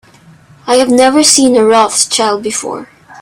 I have never seen a Rothschild before.